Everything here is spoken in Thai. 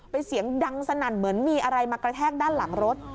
เป็นเสียงดังสนั่นเหมือนมีอะไรมากระแทกด้านหลังรถ